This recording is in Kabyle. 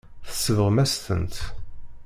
Tsebɣem-as-tent.